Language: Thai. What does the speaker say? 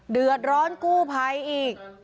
เดือดร้อนกู้ภัยอีก